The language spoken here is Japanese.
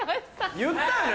言ったよね？